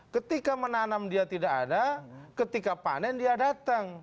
ketika menanam dia tidak ada ketika panen dia datang